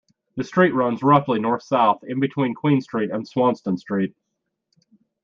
The street runs roughly north-south in-between Queen Street and Swanston Street.